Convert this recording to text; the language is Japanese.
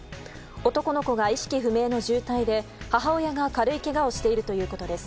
男の子が意識不明の重体で母親が軽いけがをしているということです。